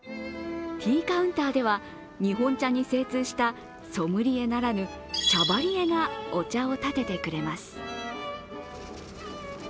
ティーカウンターでは、日本茶に精通したソムリエならぬ茶バリエがお茶をたててくれます。